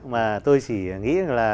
mà tôi chỉ nghĩ là